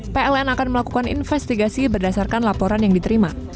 pln akan melakukan investigasi berdasarkan laporan yang diterima